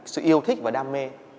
sự yêu thích và đam mê